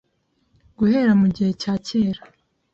guhera mu gihe cya kera